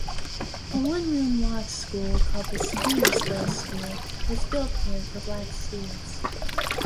A one-room log school called the Skeetersville School was built here for black students.